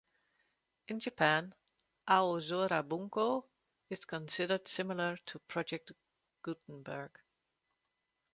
In Japan, "Aozora Bunko" is considered similar to Project Gutenberg.